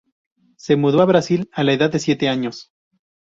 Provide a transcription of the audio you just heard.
Se mudó a Brasil a la edad de siete años.